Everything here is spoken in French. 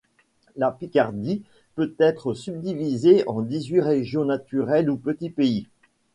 La Picardie peut être subdivisée en dix-huit régions naturelles ou petits pays.